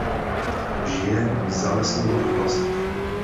Žije v zalesněných oblastech.